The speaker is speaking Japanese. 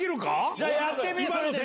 じゃあ、やってみ。